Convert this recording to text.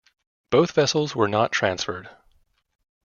Both vessels were not transferred.